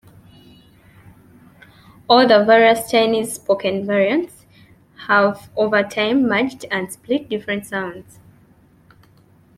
All the various Chinese spoken variants have over time merged and split different sounds.